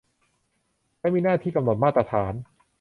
และมีหน้าที่กำหนดมาตรฐาน